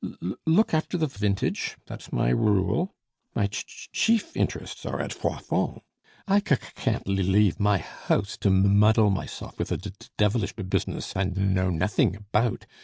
L l look after the v v vintage, t t that's my r r rule. My c c chief interests are at Froidfond. I c c can't l l leave my h h house to m m muddle myself with a d d devilish b b business I kn know n n nothing about.